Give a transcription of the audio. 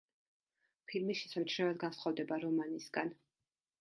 ფილმი შესამჩნევად განსხვავდება რომანისგან.